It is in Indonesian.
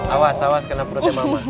awas awas kena perutnya mama